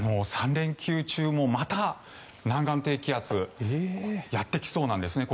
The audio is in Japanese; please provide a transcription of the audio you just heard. ３連休中もまた南岸低気圧がやってきそうなんです。